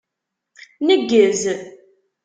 Neggez.